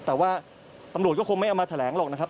แต่ว่าตำรวจก็คงไม่เอามาแถลงหรอกนะครับ